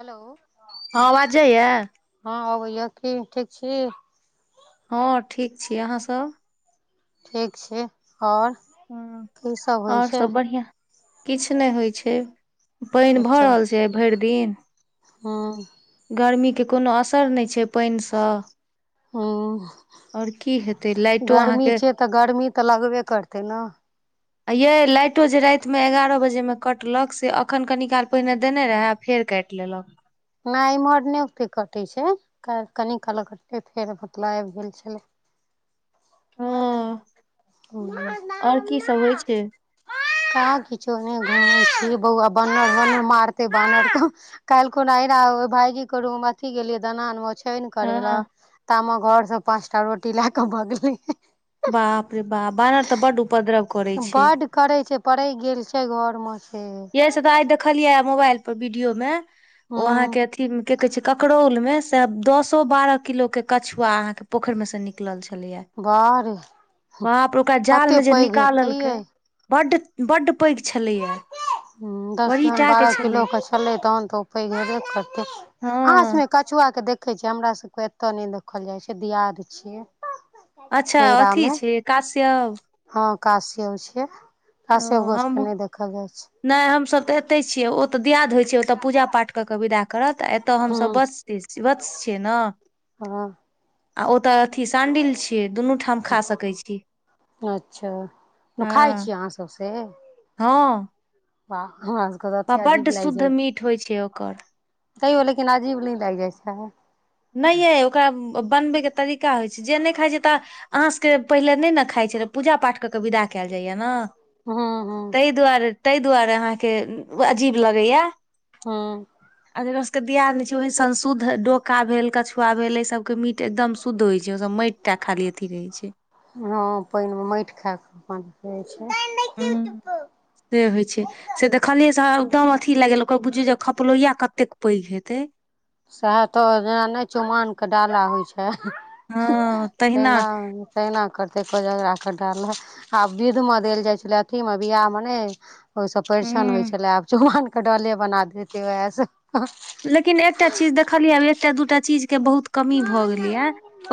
Hello हँ बाजै यए हँ अबैया की ठीक छी हँ ठीक छी अहाँसभ ठीक छै ओर हऽ की होइ ओर सब बढ़िया किछ नय होइ छै पइन भऽ अच्छा रहल छै जे भेर दिन हूँ गर्मी के कोनो असर नय छै पैइन सँ हूँ ओर की हेतै लाइटो गर्मी अहाँके छै तऽ गर्मी तऽ लगबे करतै न अ ये लाइटो जे रात में एगारह बजे मे कटलक से अखन कनी काल पहिने देने रहे आ फेर काइट लेलक नय इम्हर नइ ओते कटे छै काल्ह कनि काल कटले फेर [unintelligible] छलै हँ [inaudible] और की सब होइ छै कह किछो ओहिना घुमे छी बौआ [inaudible] बानर मारते बानर काइल कोना अहिना ओ भायजी को रूम अथी गेलियै दनान मे ओछन करे ल हँ ता म घर सँ पाचटा रोटी लए कऽ भगले बाप रे बाप बानर तऽ बड उपद्रव करै छै बड करै छै पड़ैक गेल छै घर में से है जेस तऽ आइ देखलियआ मोबाइल पर वीडियो में ओ अहाँ हूँ के अथी मे के कहे छै ककरोउल में तऽ दसो बारह किलो के कछुआ पोखरि मे से निकलल छलैया बाह रे बपरो ओकरा जाल कते मे जे पैघ हेतै निकालल यै कै बड्ड बड्ड पैघ छलैया दस बड़ी जहन टा के बारह किलो छलै के छलै तहन तऽ ओ पैघ हेबे करतै अहाँ सब हँ मे कछुआ के देखै छियै हमरा सबके एतय नय देखल जाइ छै दियाद छिय अच्छा अथी छै कास्यप हँ काश्यप छिय काश्यप गोत्र के नय देखल जाइ छै नय हमसभ तऽ एतहि छियै ओ तऽ दियाद होइत छै ओतय पूजा पाठ कऽ कऽ विदा करत एतय हमसभ हूँ बस त श वतस छियेँ न हँ आ ओतऽ अथि शंडिल्य छी ये दुनू ठाम खा सकेय छिये हँ तो सए हँ बाह हमार प्बा बड्ड शुद्ध मीठ होइ छै ओकर तैयो लेकिन अजीब नय लाग जाइ छैय नय एये ओकरा बनबैके तरीका होइत छै जे नय खाइत छै तऽ अहाँ सबके पहिले नय नै खाइ छल पूजा पाठ क क विदा केल जाइया न हँ ताई हँ तेइ दुआरे तेइ दुआरे अहाँके अजीब लगैया हँ आ जेकरा सब के दियाद न छै ओह संशुद्ध डो का भेल कछुआ भेल एय सब के मीट एकदम शुद्ध होय छै ओ सब माइट टा खाली अथी रहे छै हँ पाइन मे माइट खा कऽ अपनै छैय हू तेहोइ छैय से देखलियै से एकदम अथी लागल ओकर बुझियौ जे खपलोया कतेक पैघ हेतै साहैतो जेना नय चुमाओन के डाला होइ छैय हँ तहिना तेहिना तहिना करते कोजगरा केँ डाला आ विधमे देल जाइ छलै अथीमे वियाहमे नय ओय सँ परिछन होइ हूँ छला आब चुमानक के डाले बना देल्केय उएहसँ लेकिन एकटा चीज देखलियै आब एकटा दूटा चीज के बहुत कमी भऽ गेलैया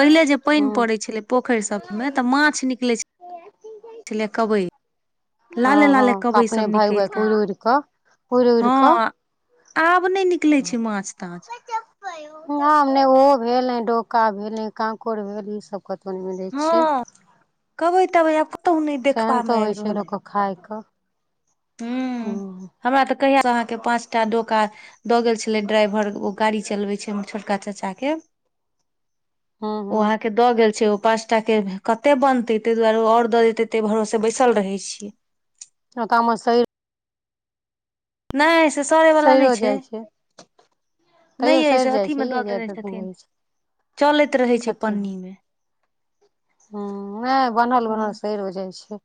पहिले जे पैइन पड़ै छलै पोखरि सब मे तऽ माछ निक [inaudible] छल लै कबै लाले हँ हँ हँ लाले कबैसब अपने भागि निकेल भागि ता उड़ि उड़ि कऽ उड़ि उड़ि हँ कऽ आब नय निकलै छै माछ ताछ ह आब नय ओहो भेल नय डोका भेल नय कांकोड़ भेल ई सब [inaudible] हँ कबै तबई आब कतो नय देखबा मे आब रहले अइ खाइ कऽ हुँ हमरा तऽ कहिया स अहाँके पाँचटा डोका दऽ गेल छलै ड्राइवर ओ गाड़ी चलबै छै हामर छोटका चाचा के हूँ ओ हूँ अहाँके के दऽ गेल छै ओ पाँचटा के कते बनतै ताहि दुआरे ओ और दऽ जेते ताए भरोसे बैसल रहे छियै ताम सही नय से सड़ै वला सैरो नय छै जाइ तैयो नय ये सैर से जाइ अथी छै मे दऽ ये जाइत देने हेथिन छथिन रहै छै चलैत रहै छै पन्नी मे ह नय बनहल बनहल सड़ो जाइ छै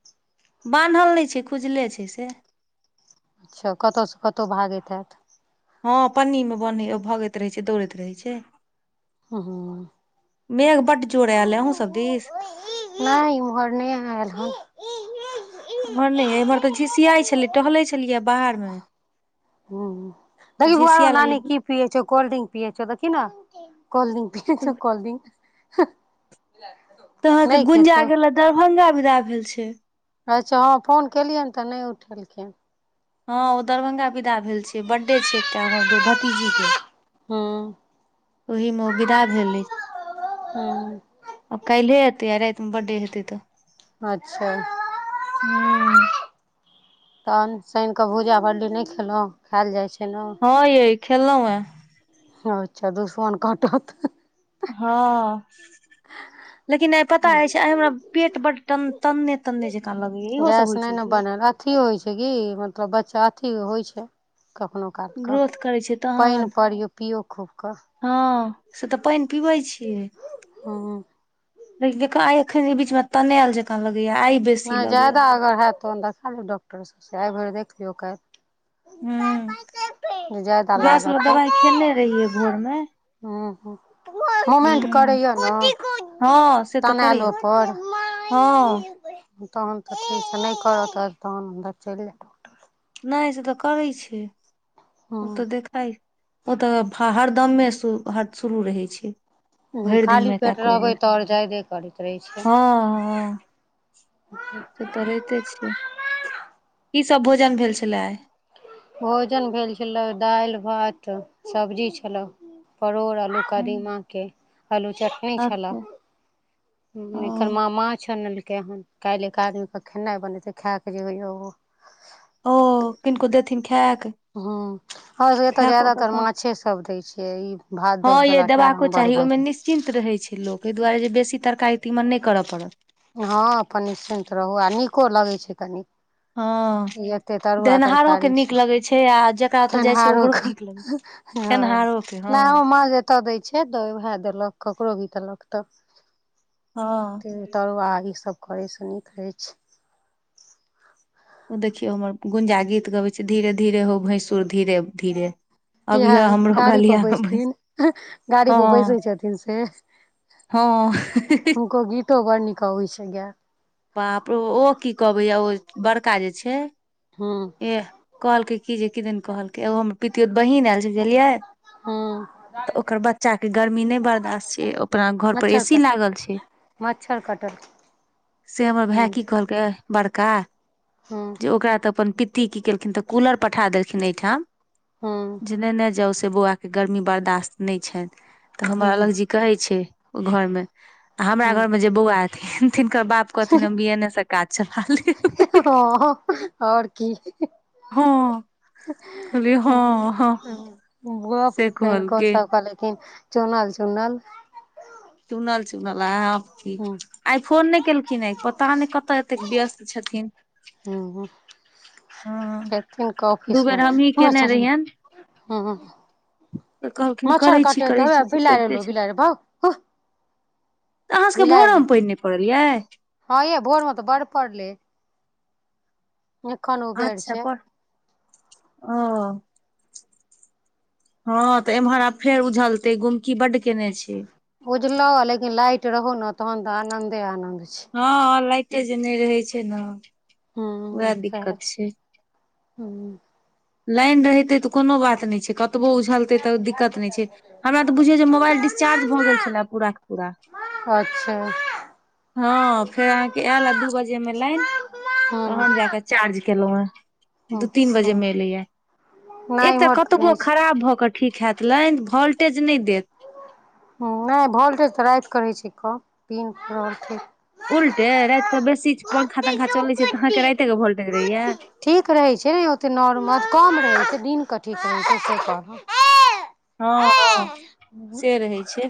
बान्हल नय छै खुजले छै से अच्छा कतो स कतो भागैत हैत हँ पन्नीमे बन्है भगैत रहै छै दौड़ैत रहै छै ह हँ मेघ बड्ड जोड़ एल अय अहुँ सब दीस नय इम्हर नय आयल हन एम्हर नय एम्हर तऽ झिसियाइ छलै टहलै छलियै बाहरमे हुँ देखहि बौआ रौ नानी लगलै कि पियै छौ कोल्ड्रिंक पियै छौ देखहि न कोल्ड्रिंक पियै छौ कोल्ड्रिंक [inaudible] तऽ अहाँ के गुंजा खेतौ गेल दरभंगा विदा भेल छै अच्छा हँ फोन केलियनि तऽ नय उठेलखिन हँ ओ दरभंगा विदा भेल छै बर्थडे छै एकटा हमर भतीजी के हूँ ओहिमे ओ विदा भेल अछि। हूँ आब काल्हि ये एतै आ राति मे बर्थडे हेतै तऽ अच्छा हूँ तहन शनिकऽ भूजा भरली नय खेलौं खाएल जाइ छै न हँ यै खेलौं हें अच्छा दुश्मन कटत हँ लेकिन आय पता अछि आइ हमरा पेट बड्ड तन्ने तन्ने जकाँ लगैये इहो सब गैस होइ नहि छै न की बनल अथी होइ छै की मतलब बच्चा अथी होइ छै कखनो काट कऽ ग्रोथ करै छै पानि तहन परियौ पियौ खूबक हँ से तऽ पानि पीबै छियै हँ लेकिन देख आई एखन बीच मे तनेल जकाँ लगैये आइ बेसी नय लगैया जायदा अगर हैत तहन देखा लियौ डॉक्टर सभसँ आइ भरि देख लियौ काल्हि ज्यादा गैस वला लागत तऽ दवाइ खेने रहियै भोर मे हँ हँ मोमेंट हूँ करैए न हँ से तऽ करैया तनेलोपर हँ तहन तऽ ठीक नय करत तहन तऽ हम बचले रहब नय से तऽ करै छै ओ जायब तऽ देखाइ ओ तऽ हर हरदमे शु हत शुरू रहै छै हुँ भरि खाली दिनमे कए पेट कऽ रहबै बेर तऽ आओर जायदे करैत रहै छै हँ हँ [inaudible] से तऽ रहिते छियै की सब भोजन भेल छले आय भोजन भेल छेलौ दालि भात सब्जी छेलौ परोड़ आलू हूं कदीमा के आलू चट नी छेल अच्छा ओ फेर माँ माछ आनलकै हन काल्हि एक आदमीके खेनाइ बनेतै खैक जे होइय ओ ओ किनको देथिन खैक हुँ हमरा सबके एतऽ ज्यादातर माछे सभ दै छियै ई भात हँ दालिके यै लट्ठा देबाको हम बड़ चाही भऽ ओहिमे जाइ छै निश्चिन्त रहै छै लोक एहि दुआरे जे बेसी तरकारी तीमन नय करऽ पड़त हँ अपन निश्चिंत रहू आ नीको लगै छै कनि हँ देनहारो के तरकारी नीक से लगै छै आ जकरा ओतऽ छै खेनिहारो ओकरो के नीक लगै छै खेनहारो के हँ तऽ दै छै तऽ उहे देलक ककरो भी देलक तऽ हँ तिन तरुआ ई सभ करै सँ नीक रहै छै। ओ देखियौ हमर गुंजा गीत गबै छै धीरे धीरे हो भैसुर धीरे धीरे किहा अभीह हमरो गाड़ी पर गलिया मे भैंसुर बैसथिन गाड़ी पर हँ बैसे छथिन से हँ ही ही ही तो बर निक अबै छै गैल बाप रो ओ की कहबै यऽ ओ बड़का जे छै हँ एह कहलकै की जे किदिन कहलकै एगो हमर पितियो बहीन आयल छै बुझलियै हूँ तऽ ओकर बच्चा केँ गर्मी नय बर्दश्त छै ओपना घर पर मच्छर ए सी कट लागल छै मच्छर कटअ से हमर भाय की कहलकै बड़का हँ तऽ ओकरा तऽ अपन पित्ती की केलखिन तऽ कूलर पठा देलखिन एहिठाम हूँ जे नेने जाउ से बौआ केँ गर्मी बर्दाश्त नइ छैन तऽ हमरा हूँ लग जि कहै छै ओ घर मे आ हमरा हूँ घर मे जे बौआ एथिन तिनकर बाप कहथिन हम बियने से काज चला लेब हँ ह आओर की हँ कहलियै [unintelligible] हँ हँ गप से होनको कहलकै सबके लेकिन चुनल चुनल चुनल चुनल अहाँ की हूँ आइ फोन नय केलखिन आय पता नय कतऽ एतेक व्यस्त छथिन हुँ हुँ हँ हेथिन कऽ दू ओफिस बेर हमही मऽ केने रहियनि हुँ तऽ कहलखिन करै छी करै हे छी से बिलाड़ि कैरते एलौ छथिन बिलाड़ि भौ हु तऽ अहाँ सभ केँ भोरो बिलाड़ि मे पइन नय पड़ल यै हँ यै भोर मऽ तऽ बड़ पड़लै एखन ओ अच्छा पढ ओ हँ तऽ एम्हर आब फेर ऊझलते गुमकी बड्ड केने छै उझलो लेकिन लाइट रहो नऽ तहन तऽ आनंदे आनंद छै हँ लाइटे जे नय रहै छै नऽ हुँ सेहा छै हुँ लाइन रहितै तऽ कोनो बात नय छै कतबो उझल तै तऽ दिक्कत नय छै हमरा तऽ बुझियौ जे मोबाइल डिसचार्ज भऽ गेल छलै पूरा कऽ पूरा अच्छऽ हँ फेर अहाँकेँ आयल अ दू बजे मे लाइन हूँ तहन जै कऽ चार्ज केलहु है दू तीन अच्छा बजे मे एलै यऽ नहि एतऽ इम्हर तऽ कतबो रहै छै खराब भऽ कऽ ठीक हैत लाइन वोल्टेज नय देत हँ नय वोल्टेज तऽ राइत कऽ रहै छै कम दिन कऽ रहल ठीक उल्टे राइत कऽ बेसी पंखा तंखा चलै छै तऽ अहाँकेँ राइते केँ वोल्टेज रहै यऽ ठीक रहै छै नय ओते नॉर्मल कम रहै छै दिन कऽ ठीक रहै छै से कहलौ हँ - हँ से रहै छै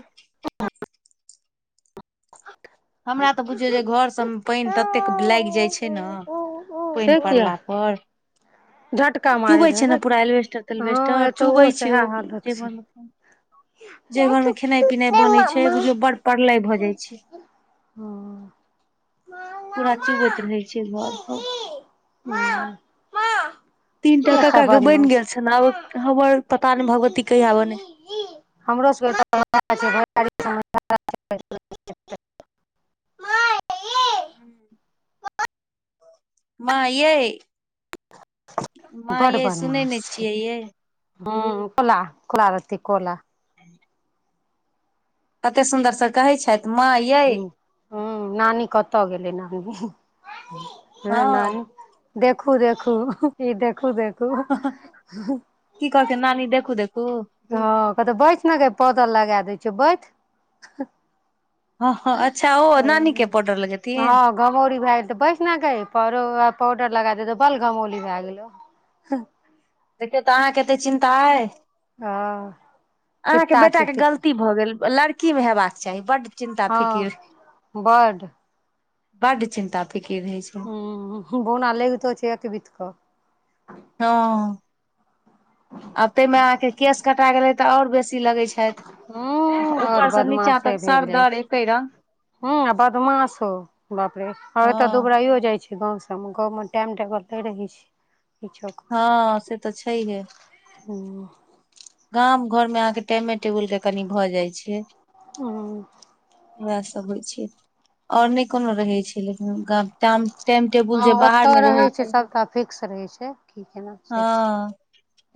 हमरा तऽ बुझियौ जे घर सब मऽ पाइन ततेक लाइग जाइ छै नऽ पाइन पड़ला पर झट चुबै छै न पूरा एलबेस्टर तलबेस्टर चुबै एतहुओ सएह छै ओ हालत जे घर छै मे जे हँ घर मे खेनाइ पिनाइ बनै छै बुझियौ बड़ प्रलय भऽ जाय छै हँ पूरा चुबैत रहै छै घर पर [inaudible] तीन टा एका कक्का के बनि बदमाश गेल छनि आब हमर पता ने भगवती कहिया बने हमरो सबके [unintelligible] हुँ माँ यै माँ यै सुनै नय छियै यै हँ कोला कोला रहतै कोला [inaudible] कते सुन्दरसँ कहै छथि माँ यै हुँ नानी कतऽ गेलै नानी हुँ हँ नानी देखू देखू ई देखू देखू की कहलकै नानी देखू देखू हँ कहतौ बैठ न गै पौडर लगा दै छियौ बैठ हँ हँ अच्छा ओ नानी के पाउडर लगेथिन गमौरी भए गेल तऽ बैस न गै पा पाउडर लगा दे तऽ बल गमौली भए गेलौ। देखियौ तऽ अहाँके एते चिन्ता अय हँ अहाँके फित्ता बेटा छै के गलती फित्ता भऽ गेल लड़ की मे हेबाक चाही बड्ड चिन्ता फिकिर हँ बड्ड बड्ड चिन्ता फिकीर रहै छै हुँ बोना लैगतो छै एक बीत कऽ हँ आब तहिमे अहाँ के केश कटा गेलै तऽ आओर बेसी लगै छथि हूँ आओर ऊपर से नीचां तक सर दर एकै रंग हँ आ बदमाशो बाप रे आओर एते हँ दुबराइयो जाइ छै गाँव सबमे गाँवमे टाइम टेबल नय रहै छै किछो के हँ से तऽ छैहे हुँ गाम घरमे अहाँके टाइमे टेबुलके कनी भऽ जाइ छै हुँ उहे सब होइ छै आओर नय कोनो रहै छै लेकिन गाम टाम टाइम टेबुल हँ जे बाहर ओतऽ मे रहै छै सभटा फिक्स रहै छै की केना से छै हँ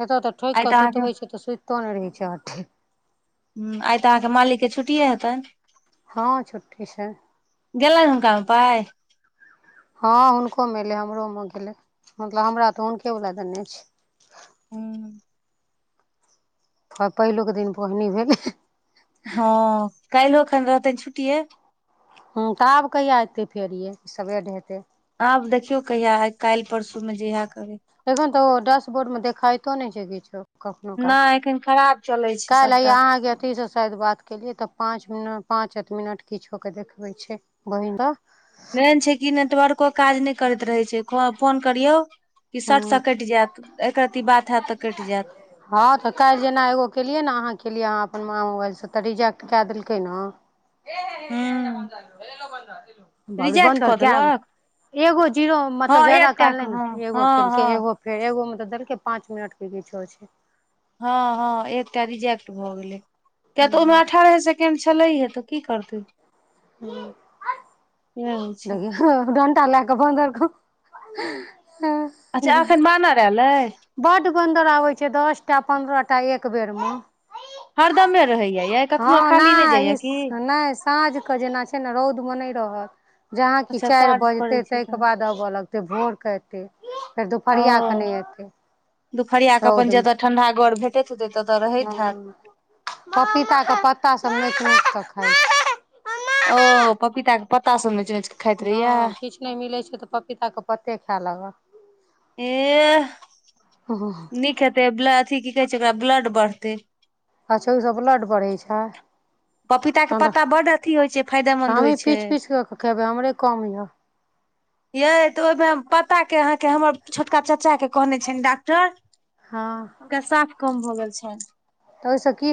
एतऽ तऽ ठोकि आइ कऽ अहाँके सुतबै छै तऽ सुतितो नय रहै छै अधिक हुँ आइ तऽ अहाँकेँ मालिक के छुट्टिए हेतनि हँ छुट्टी छै गेलै हुनकामे पाय हँ हुनकोमे एलै हमरोमे गेलै मतलब हमरा तऽ हुनके वला देने छै। हुँ हँ पहिलुक दिन बोहनी भेलै हँ कइलो खन रहतैय छुट्टीये हुँ तऽ आब कहिया हेतै फेर ये सबेर हेतै आब देखियौ कहिया हैत काल्हि परसूमे जहिया करै एखन तऽ ओ डैशबोर्ड मे देखाइतो नय छै किछो। कखनो काल नहि केँ एखन खराब चलै [inaudible] छै काइल हे यै सबटा अहाँ केँ अथि स शायद बात केलियै तऽ पाँच मिनट पाँच आठ मिनट किछो कऽ कऽ देखबै छै बहि द मेन छै कि नेटवर्को काज नै करैत रहै छै फोन करियौ कि शर्ट हँ स कैट जैत एकरती बात हैत तऽ कैट जैत हँ तऽ काइल जेना एगो केलियै न अहाँ केलियै अहाँ अपन माँ मोबाइल स तऽ रिजेक्ट कै देलकै न हूं [unintelligible] बाप्प रे रिजेक्ट बन्दर कऽ कगो देलक एगो जीरो हँ मतलब जदा एकटा काल नै के न हँ एगो हँ केलकै हँ एगो फेर एगो में तऽ देलकै पाँच मिनट केँ किछो छै हऽ हऽ एकटा रिजेक्ट भऽ गेलै किया तऽ ओर में अठारहे से केण्ड छलै हे तऽ की करतै [unintelligible] [inaudible] नै होइ छैय हऽ डंटा लै कऽ बंदर कऽ [unintelligible] अच्छा एखन बानर एल अइ बड बन्दर अबै छै दस टा पन्द्रह टा एक बेर म हरदमें रहे यऽयै हऽ नै ई नै साँझ केँ जेना छै न रौद मऽ नै रहत जहाँ कि अच्छा चैर साँझ पड़ै बजतै छै तैय तऽ केँ बाद आब लगतै भोर कऽ एतैय फेर दुपहरिया कऽ नै एतैय दुपरिया कऽ अपन जेतह ठंडा गर भेट [unintelligible] तत रहतैय हऽ [inaudible] पपीता कऽ पत्ता सब नौच नोच कऽ खाइ छै ओह पपीता कऽ पत्ता सब नोच नोच कऽ न किछ नै मिलै छै तऽ पपीता कऽ पते खै लगल ऐह [unintelligible] नीक हेतै बा अथी की छियै ओकरा ब्लड बढ़तैय अच्छा ओ स ब्लड बड़ैय छै [inaudible] पपीता पत्ता बड अथी होइ छैय फायदामंद तऽ हमही पीस पीस कऽ खेबै हमरे कम यै यै तऽ ओइमें पत्ता केँ अहाँ केँ हमर छोटका चाचा कऽ कहने छैन डॉक टर हऽ हुनका साफ कम भऽ गेल छैन तऽ ओइ स की हे